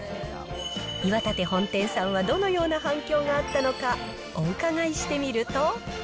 岩立本店さんは、どのような反響があったのか、お伺いしてみると。